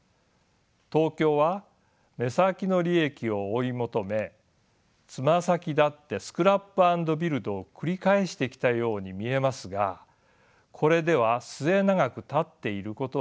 東京は目先の利益を追い求めつま先立ってスクラップ・アンド・ビルドを繰り返してきたように見えますがこれでは末永く立っていることはできません。